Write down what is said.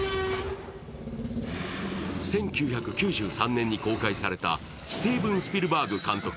１９９３年に公開されたスティーブン・スピルバーグ監督